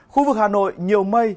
khu vực hà nội nhiều mây